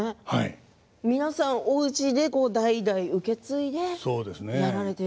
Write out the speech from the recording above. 皆さん、おうちで代々受け継いでやられている。